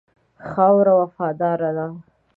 خاوره وفاداره ده.